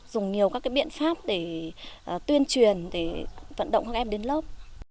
dùng nhiều các biện pháp để tuyên truyền để vận động các em đến lớp